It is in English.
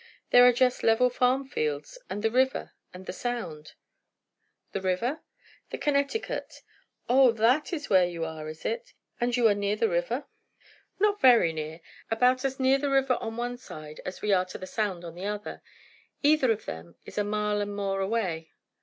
There are just level farm fields; and the river, and the Sound." "The river?" "The Connecticut." "O, that is where you are, is it? And are you near the river?" "Not very near. About as near the river on one side as we are to the Sound on the other; either of them is a mile and more away."